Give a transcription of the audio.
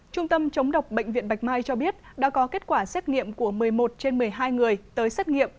trung tâm chống độc bệnh viện bạch mai cho biết đã có kết quả xét nghiệm của một mươi một trên một mươi hai người tới xét nghiệm